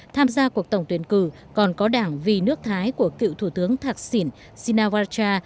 tham gia cuộc tổng tuyển cử còn có đảng vì nước thái của cựu thủ tướng thạc sĩn sinawarcha